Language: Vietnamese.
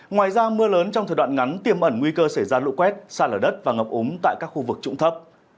ngoài ra mưa lớn trong thời đoạn ngắn tiêm ẩn nguy cơ xảy ra lũ quét xa lở đất và ngập úng tại các khu vực trụng thấp